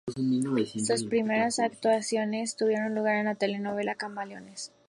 Sus primeras actuaciones tuvieron lugar en la telenovela "Camaleones".